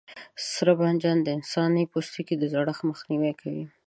سره بانجان د انسان د پوستکي د زړښت مخنیوی کوي.